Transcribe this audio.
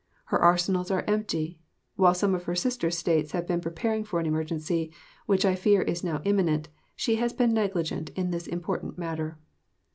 Her arsenals are empty. While some of her sister States have been preparing for an emergency, which I fear is now imminent, she has been negligent in this important matter.